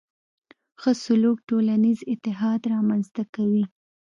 ښه سلوک ټولنیز اتحاد رامنځته کوي.